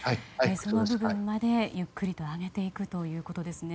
その部分までゆっくりと上げていくということですね。